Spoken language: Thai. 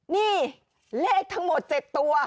นี่เลขทั้งหมด๗ตัว